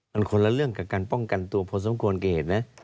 มันคนละเรื่องกับการป้องกันตัวพอสมควรกับเหตุนะ